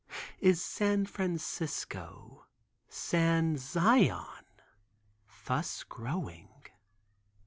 Is San Francisco (San Zion) thus growing?